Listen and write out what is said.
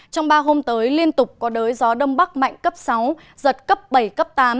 trong ba hôm tới liên tục có đới gió đông bắc mạnh cấp sáu giật cấp bảy cấp tám